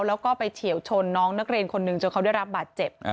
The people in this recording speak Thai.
แล้วก็ไปเฉียวชนน้องนักเรียนคนหนึ่งจนเขาได้รับบาดเจ็บ